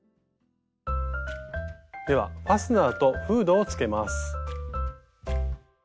ではファスナーとフードをつけます。